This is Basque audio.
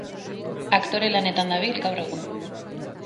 Aktore lanetan dabil gaur egun.